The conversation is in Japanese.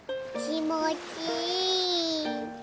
きもちいい。